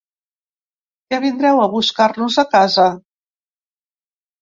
Que vindreu a buscar-nos a casa?